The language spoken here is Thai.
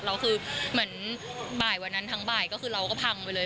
แล้วคือเหมือนบ่ายวันนั้นทั้งบ่ายก็คือเราก็พังไปเลย